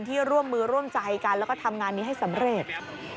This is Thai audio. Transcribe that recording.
ร่วมมือร่วมใจกันแล้วก็ทำงานนี้ให้สำเร็จ